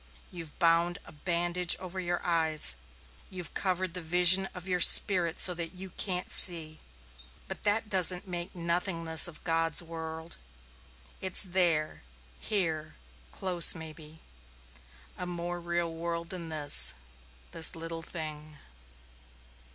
You've bound a bandage over your eyes, you've covered the vision of your spirit, so that you can't see; but that doesn't make nothingness of God's world. It's there here close, maybe. A more real world than this this little thing."